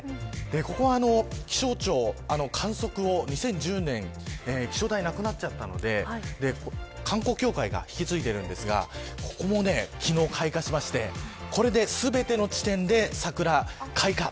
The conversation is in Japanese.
ここは気象庁観測を２０１０年気象台なくなっちゃったので観光協会が引き継いでいますがここも昨日、開花してこれで全ての地点で桜開花。